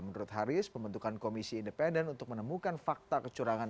menurut haris pembentukan komisi independen untuk menemukan fakta kecurangan